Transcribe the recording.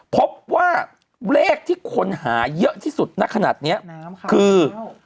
พบว่าเลขที่คนหาเยอะที่สุดณขนาดนี้คือ